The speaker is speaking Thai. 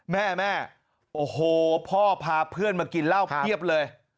แม่แม่โอ้โหพ่อพาเพื่อนมากินเหล้าเพียบเลย